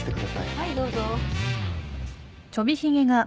はいどうぞ。